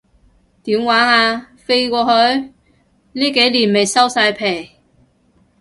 點玩啊，飛過去？呢幾年咪收晒皮